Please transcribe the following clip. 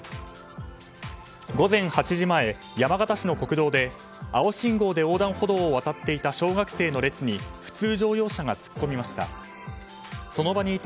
午前８時前山形市の国道で青信号で横断歩道を渡っていた小学生の列に普通乗用車が突っ込みました。